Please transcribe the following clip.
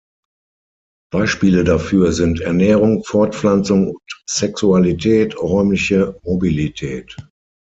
Beispiele dafür sind Ernährung, Fortpflanzung und Sexualität, Räumliche Mobilität.